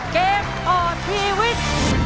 เกมต่อชีวิต